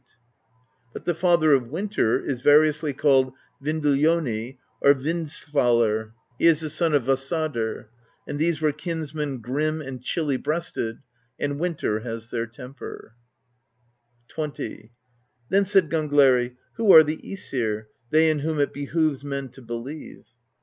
^ Delightful. THE BEGUILING OF GYLFI 33 But the father of Winter is variously called Vindljoni' or Vindsvalr;^ he is the son of Vasadr;^ and these were kins men grim and chilly breasted, and Winter has their tem per." XX. Then said Gangleri: "Who are the ^sir, they in whom it behoves men to believe?"